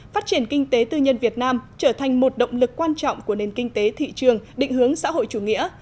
phát triển kinh tế tư nhân việt nam trở thành một động lực quan trọng của nền kinh tế thị trường định hướng xã hội chủ nghĩa